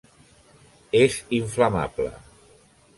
És inflamable.